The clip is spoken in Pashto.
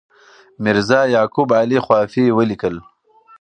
میرزا یعقوب علي خوافي ولیکل.